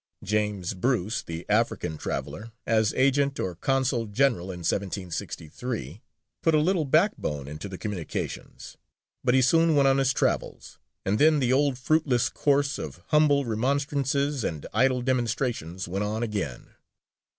James Bruce, the African traveller, as agent or consul general in 1763, put a little backbone into the communications, but he soon went on his travels, and then the old fruitless course of humble remonstrances and idle demonstrations went on again.